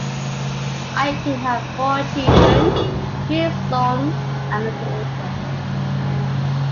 Aikin had four children, three sons and a daughter.